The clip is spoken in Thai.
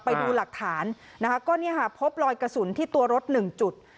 ไปดูหลักฐานนะคะก็เนี่ยค่ะพบรอยกระสุนที่ตัวรถ๑จุด